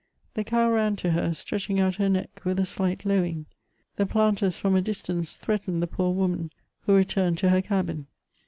The cow ran to her, stretching oat her neck with a slight lowing. The planters from a distance threatened the poor woman, who returned to her cahin.